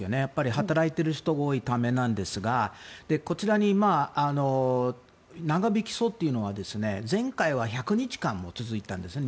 働いている人が多いためなんですがこちらに、長引きそうというのは前回は１００日間も続いたんですね。